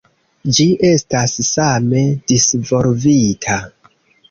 Ĝi estas same disvolvita.